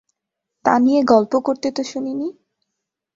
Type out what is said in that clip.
তা নিয়ে গল্প করতে তো শুনি নি।